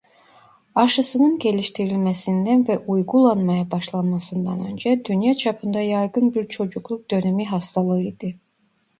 Aşısının geliştirilmesinden ve uygulanmaya başlanmasından önce dünya çapında yaygın bir çocukluk-dönemi hastalığıydı.